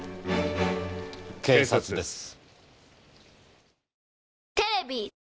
警察です。